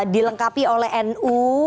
dilengkapi oleh nu